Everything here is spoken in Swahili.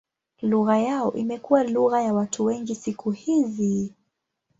Lugha yao imekuwa lugha ya watu wengi siku hizi.